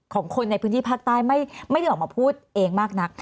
คนในพื้นที่ภาคใต้ไม่ได้ออกมาพูดเองมากนัก